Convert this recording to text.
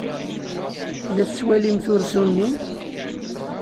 La tettwalimt ursu-nni?